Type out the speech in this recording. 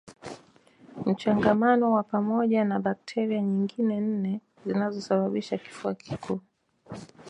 Mchangamano wa pamoja na bakteria nyingine nne zinazosababisha kifua kikuu